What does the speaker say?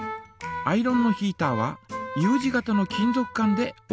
アイロンのヒータはＵ字形の金ぞく管でおおわれています。